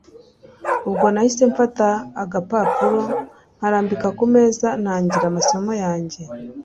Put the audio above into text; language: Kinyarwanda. ubwo nahise mfata agapapuro nkarambika kumeza ntangira amasomo yanjye